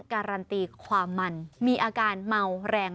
การันตีความมันมีอาการเมาแรง